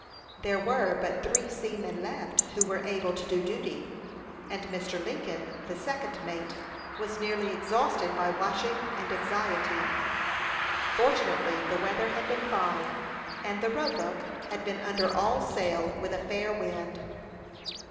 There were but three seamen left who were able to do duty, and Mr. Lincoln, the second mate, was nearly exhausted by watching and anxiety. Fortunately, the weather had been fine, and the Roebuck had been under all sail, with a fair wind.